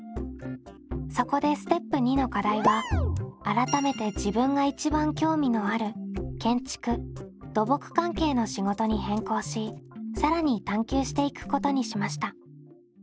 そこでステップ②の課題は改めて自分が一番興味のある建築・土木関係の仕事に変更し更に探究していくことにしました。